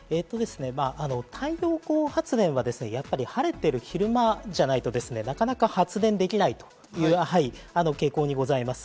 太陽光発電はやっぱり晴れてる昼間じゃないとなかなか発電できないという傾向にございます。